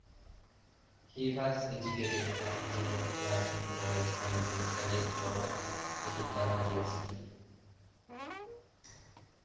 He was educated at George Watson's College and then studied Law at Edinburgh University.